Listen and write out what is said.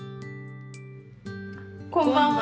こんばんは。